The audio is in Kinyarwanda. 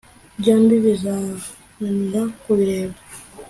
byombi bizananira kubirera